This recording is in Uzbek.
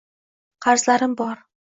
Qarzlarim bor.